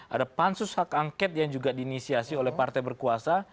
ada pansus hak angket yang juga diinisiasi oleh partai berkuasa